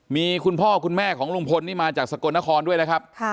มีคุณพ่อคุณแม่ของลุงพลนี่มาจากสกลนครด้วยนะครับ